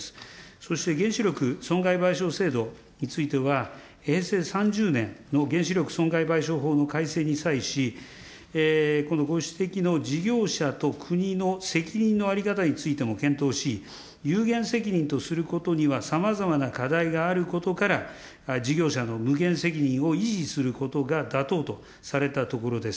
そして原子力損害賠償制度については、平成３０年の原子力損害賠償法の改正に際し、このご指摘の事業者と国の責任の在り方についても検討し、有限責任とすることにはさまざまな課題があることから、事業者の無限責任を維持することが妥当とされたところです。